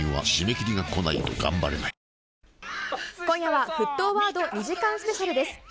今夜は、沸騰ワード２時間スペシャルです。